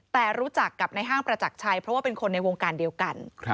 แต่รู้จักกับในห้างประจักรชัยเพราะว่าเป็นคนในวงการเดียวกัน